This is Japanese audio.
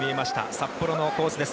札幌のコースです。